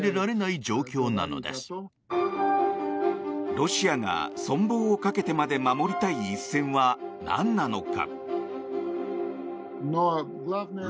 ロシアが存亡を賭けてまで守りたい一線は何なのか。